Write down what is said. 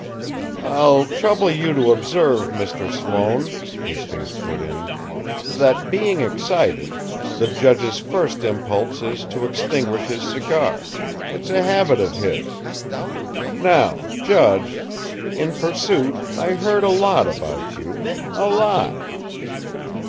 "I'll trouble you to observe, Mr. Sloane," Hastings put in, "that, being excited, the judge's first impulse is to extinguish his cigar: it's a habit of his. Now, judge, in Pursuit I heard a lot about you a lot."